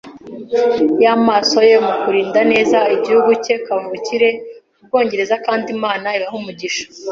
y'amaso ye mu kurinda neza igihugu cye kavukire, Ubwongereza - kandi Imana ibahe umugisha